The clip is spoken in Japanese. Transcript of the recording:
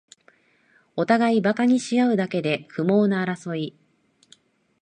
おたがいバカにしあうだけで不毛な争い